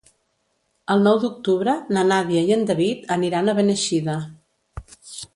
El nou d'octubre na Nàdia i en David aniran a Beneixida.